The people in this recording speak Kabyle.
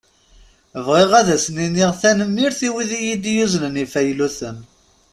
Bɣiɣ ad asen-iniɣ tanemmirt i wid i yi-d-yuznen ifayluten.